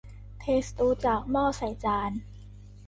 เทสตูจากหม้อใส่จาน